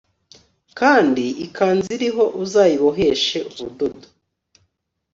kandi ikanzu iriho uzayiboheshe ubudodo